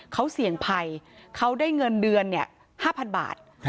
เขาเสี่ยงภัยเขาได้เงินเดือน๕๐๐๐บาท